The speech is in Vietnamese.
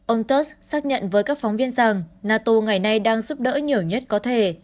ông turt xác nhận với các phóng viên rằng nato ngày nay đang giúp đỡ nhiều nhất có thể